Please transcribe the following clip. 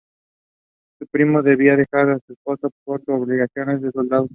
Su primo debía dejar a su esposa por sus obligaciones de soldado.